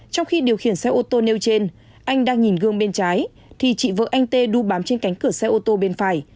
trong khi điều khiển xe ô tô nêu trên anh đang nhìn gương bên trái thì chị vợ anh tê đu bám trên cánh cửa xe ô tô bên phải